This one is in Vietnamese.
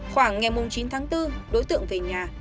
khoảng ngày chín tháng bốn đối tượng về nhà